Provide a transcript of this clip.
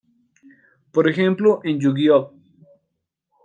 Por ejemplo, en "Yu-Gi-Oh!